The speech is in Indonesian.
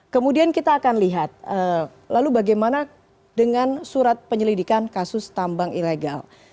kemudian kita akan lihat lalu bagaimana dengan surat penyelidikan kasus tambang ilegal